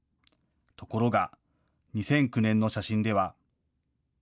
ところが２００９年の写真では。